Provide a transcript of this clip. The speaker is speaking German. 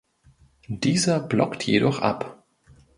Dieser blockt jedoch ab.